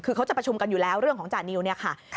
คือเขาจะประชุมกันอยู่แล้วเรื่องของจานิวเนี่ยค่ะ